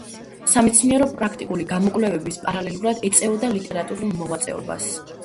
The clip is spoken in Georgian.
სამეცნიერო-პრაქტიკული გამოკვლევების პარალელურად ეწეოდა ლიტერატურულ მოღვაწეობას.